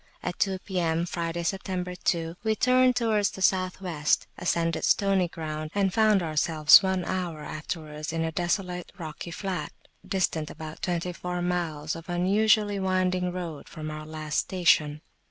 At two P.M. (Friday, Sept. 2), we turned towards the South west, ascended stony ground, and found ourselves one hour afterwards in a desolate rocky flat, distant about twenty four miles of unusually winding road from our last station.